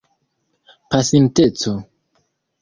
pasinteco